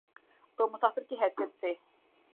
تو مسافر کی حیثیت سے۔